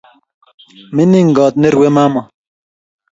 Mining kot nerue mama